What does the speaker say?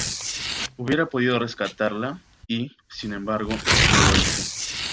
hubiera podido rescatarla, y , sin embargo , no lo hice.